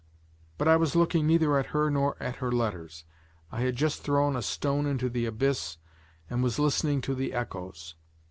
But I was looking neither at her nor her letters; I had just thrown a stone into the abyss and was listening for the echoes.